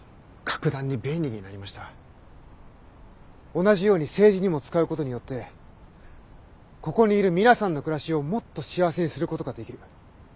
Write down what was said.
同じように政治にも使うことによってここにいる皆さんの暮らしをもっと幸せにすることができる。